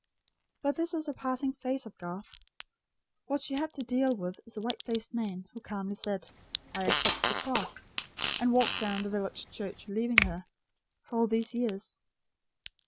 But this is a passing phase of Garth. What she has to deal with is the white faced man, who calmly said: "I accept the cross," and walked down the village church leaving her for all these years.